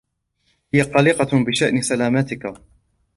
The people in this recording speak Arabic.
هي قلقة بشأن سلامتك.